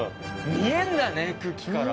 見えんだね久喜から。